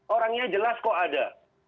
orangnya jelas kok ada